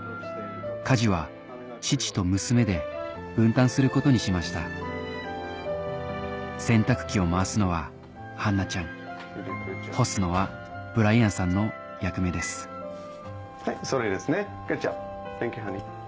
家事は父と娘で分担することにしました洗濯機を回すのはハンナちゃん干すのはブライアンさんの役目ですはいそれでいいですねＧｏｏｄｊｏｂ！